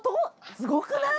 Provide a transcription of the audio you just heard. すごくない？